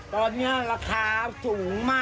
ตอนนี้ราคาสูงมาก